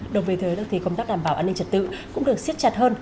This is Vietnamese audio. đồng về thế công tác đảm bảo an ninh trật tự cũng được siết chặt hơn